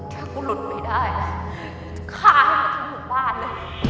ถ้ากูหลุดไม่ได้จะฆ่าให้มันทั้งหมู่บ้านเลย